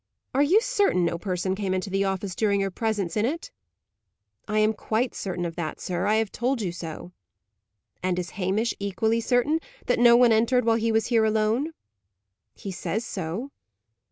Are you certain no person came into the office during your presence in it?" "I am quite certain of that, sir. I have told you so." "And is Hamish equally certain that no one entered while he was here alone?" "He says so."